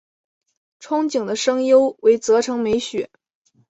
憧憬的声优为泽城美雪。